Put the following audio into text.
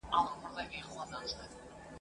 خلک به ئې زیارت ته ورځي.